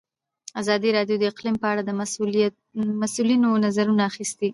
ازادي راډیو د اقلیم په اړه د مسؤلینو نظرونه اخیستي.